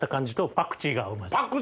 パクチーがうまい！